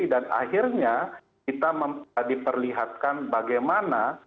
dan akhirnya kita diperlihatkan bagaimana